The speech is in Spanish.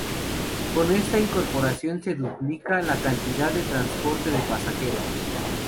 Con esta incorporación se duplica la cantidad de transporte de pasajeros.